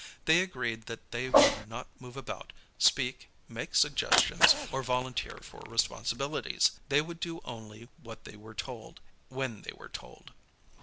They agreed that they would not move about, speak, make suggestions, or volunteer for responsibilities. They would do only what they were told, when they were told.